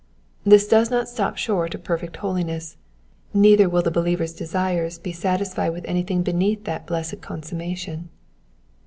This does not stop short of perfect holiness, neither will the believer's desires be satisfied with anything beneath that blessed consummation.